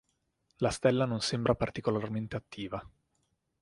La stella non sembra particolarmente attiva.